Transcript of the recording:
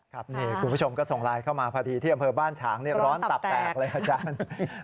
คุณผู้ชมก็ส่งไลน์เข้ามาพอดีที่อำเภอบ้านฉางร้อนตับแตกเลยอาจารย์